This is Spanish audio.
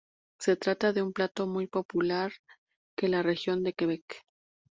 Se trata de un plato muy popular en la región de Quebec.